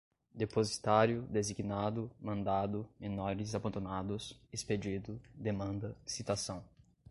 depositário, designado, mandado, menores abandonados, expedido, demanda, citação